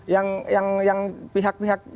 yang pihak pihak yang kontra juga gitu kan